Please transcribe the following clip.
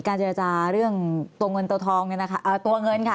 การเจรจาเรื่องตัวเงินตัวทองตัวเงินค่ะ